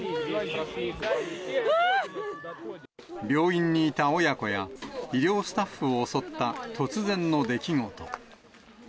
病院にいた親子や医療スタッフを襲った突然の出来事。